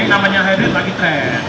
namanya hybrid lagi trend